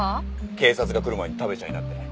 警察が来る前に食べちゃいなって。